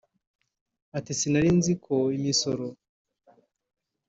Ati ” Sinari nziko imisoro